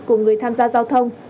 của người tham gia giao thông